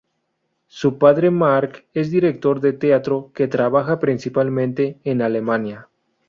Su padre, Mark, es director de teatro que trabaja principalmente en Alemania.